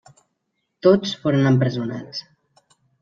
Tots foren empresonats.